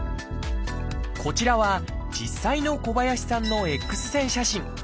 こちらは実際の小林さんのＸ線写真。